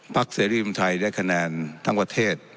ภักดิ์เสริมทัยได้คะแนนทั้งประเทศ